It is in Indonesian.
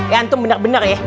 eh antum bener bener ya